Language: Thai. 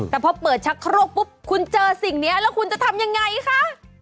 แต่พอเปิดชักโครกปุ๊บคุณเจอสิ่งนี้แล้วคุณจะทำยังไงคะ